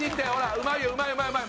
うまいうまいうまい。